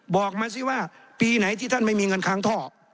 บอกมาสิว่าปีไหนที่ท่านไม่มีเงินค้างท่อ